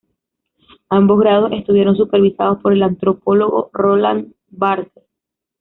Ambos grados estuvieron supervisados por el antropólogo Roland Barthes.